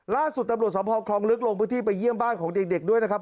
ล่าสุดตำรวจสภคลองลึกลงพื้นที่ไปเยี่ยมบ้านของเด็กด้วยนะครับ